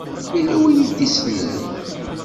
Yella win i d-isellen.